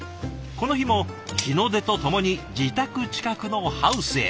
この日も日の出とともに自宅近くのハウスへ。